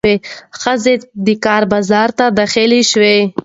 ښځې د کار بازار ته داخلې شوې.